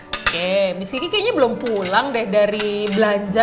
oke mas kiki kayaknya belum pulang deh dari belanja